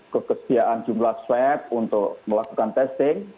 kekesediaan jumlah swab untuk melakukan testing